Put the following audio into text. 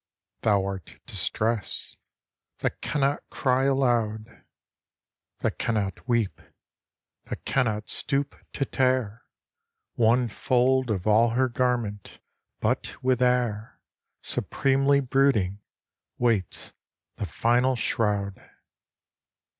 Thou art Distress — ^that cannot cry alou<^ That cannot weep, that cannot stoop to tear One fold of all her garment, but with air Supremely brooding waits the final shroud